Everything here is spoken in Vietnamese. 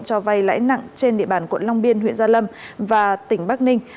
cho vay lãi nặng trên địa bàn quận long biên huyện gia lâm và tỉnh bắc ninh